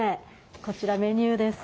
こちらメニューです。